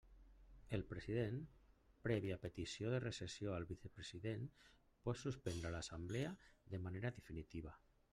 El president, prèvia petició de recessió al vicepresident, pot suspendre l'Assemblea de manera definitiva.